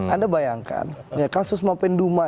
anda bayangkan kasus mapenduma